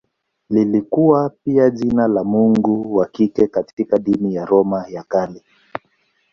Lilikuwa pia jina la mungu wa kike katika dini ya Roma ya Kale.